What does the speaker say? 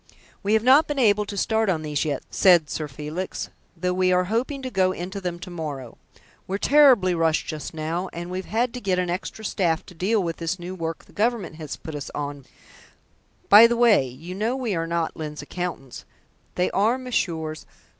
"We have not been able to start on these yet," said Sir Felix, "though we are hoping to go into them to morrow. We're terribly rushed just now, and we've had to get in an extra staff to deal with this new work the Government has put on us by the way, you know that we are not Lyne's accountants; they are Messrs.